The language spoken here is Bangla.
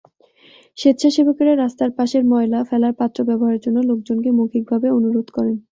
স্বেচ্ছাসেবকেরা রাস্তার পাশের ময়লা ফেলার পাত্র ব্যবহারের জন্য লোকজনকে মৌখিকভাবে অনুরোধ করেন।